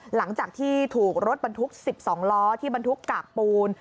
หลังจากที่ถูกรถบรรทุก๑๒ล้อที่บรรทุกกากปูน